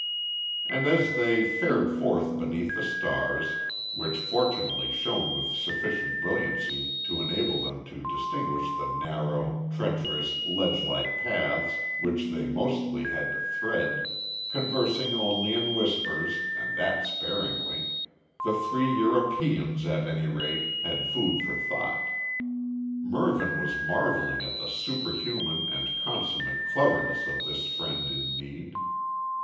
And as they fared forth beneath the stars, which fortunately shone with sufficient brilliancy to enable them to distinguish the narrow, treacherous, ledgelike paths which they mostly had to thread conversing only in whispers, and that sparingly the three Europeans at any rate, had food for thought. Mervyn was marvelling at the superhuman, and consummate cleverness of this friend in need.